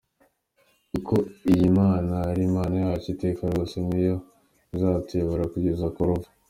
Kuko iyi Mana ari Imana yacu iteka ryose, Ni yo izatuyobora kugeza ku rupfu.